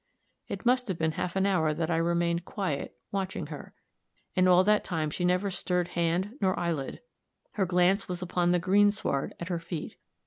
It must have been half an hour that I remained quiet, watching her. In all that time she never stirred hand nor eyelid; her glance was upon the greensward at her feet.